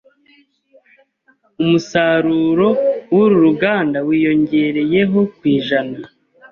Umusaruro wuru ruganda wiyongereyeho %.